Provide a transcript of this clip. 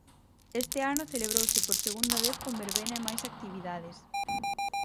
Este ano celebrouse por segunda vez con verbena e máis actividades.